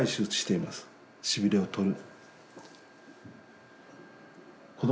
しびれをとる。